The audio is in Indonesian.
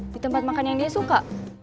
di tempat makan yang dia suka